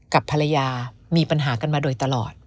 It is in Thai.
กับภรรยามีปัญหากันมาโดยตลอด